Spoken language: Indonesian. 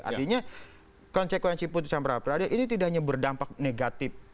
artinya konsekuensi putusan pra peradilan ini tidak hanya berdampak negatif